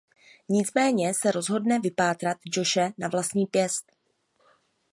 Nicméně se rozhodne vypátrat Joshe na vlastní pěst.